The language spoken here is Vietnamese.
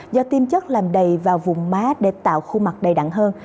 do tiêm chất làm đầy vào vùng má để tạo khuôn mặt đầy đặn hơn